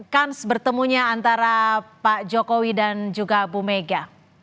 kans bertemunya antara pak jokowi dan juga bu mega